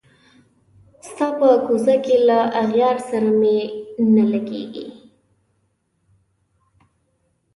ستا په کوڅه کي له اغیار سره مي نه لګیږي